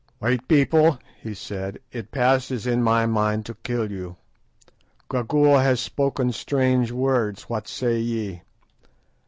"White people," he said, "it passes in my mind to kill you. Gagool has spoken strange words. What say ye?"